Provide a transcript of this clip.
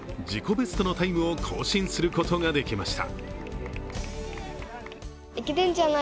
ベストのタイムを更新することができました。